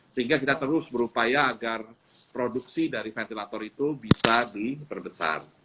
sehingga kita terus berupaya agar produksi dari ventilator itu bisa diperbesar